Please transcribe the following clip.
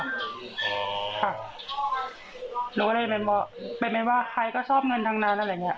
ดูอุก็เลยไม่รวะเป็นแม็นว่าใครก็ชอบเงินทางนั้นอะไรอย่างเงี้ย